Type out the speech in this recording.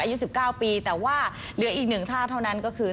อายุ๑๙ปีแต่ว่าเหลืออีกหนึ่งท่าเท่านั้นก็คือ